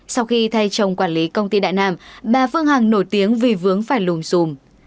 sau khi thay chồng quản lý công ty đại nam bà phương hằng nổi tiếng vì vướng phải lùm xùm